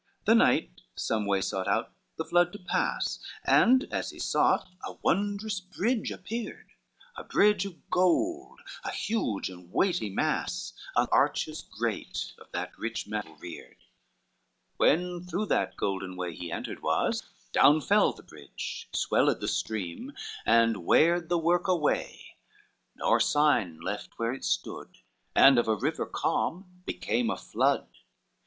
XXI The knight some way sought out the flood to pass, And as he sought, a wondrous bridge appeared, A bridge of gold, a huge and weighty mass, On arches great of that rich metal reared; When through that golden way he entered was, Down fell the bridge, swelled the stream, and weared The work away, nor sign left where it stood, And of a river calm became a flood.